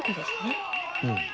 うん。